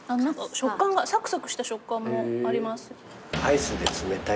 サクサクした食感もあります。